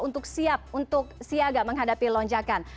untuk siap untuk siaga menghadapi lonjakan